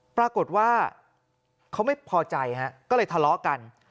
ปรากฏว่าเขาไม่พอใจฮะก็เลยทะเลาะกัน